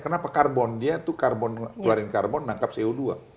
kenapa karbon dia itu keluarin karbon nangkap co dua